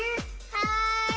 はい！